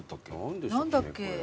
何だっけ？